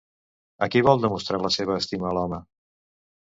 A qui vol demostrar la seva estima l'home?